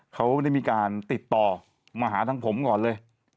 เขาได้มีการติดต่อมาหาทางผมก่อนเลย